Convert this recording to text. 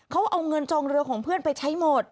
เขาเอาเงินจองเรือของเพื่อนไปใช้หมด